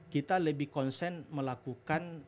kita lebih konsen melakukan